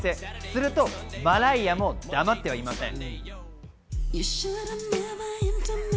するとマライアも黙ってはいません。